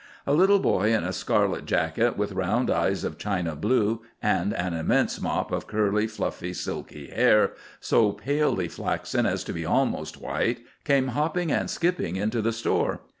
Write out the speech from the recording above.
A little boy in a scarlet jacket, with round eyes of china blue, and an immense mop of curly, fluffy, silky hair so palely flaxen as to be almost white, came hopping and skipping into the store.